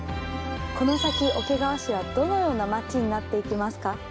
この先桶川市はどのようなまちになっていきますか？